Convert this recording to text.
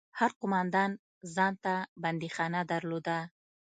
هر قومندان ځان ته بنديخانه درلوده.